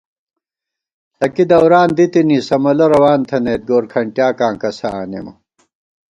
ݪَکی دوران دِتِنی سَمَلہ روان تھنَئیت گورکھنٹیاکاں کسہ آنېمہ